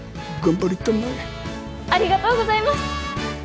ありがとうございます！